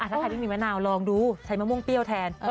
ถ้าใครที่มีมะนาวลองดูใช้มะม่วงเปรี้ยวแทน